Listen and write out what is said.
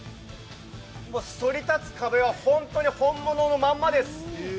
そり立つ壁は本当に本物のままです。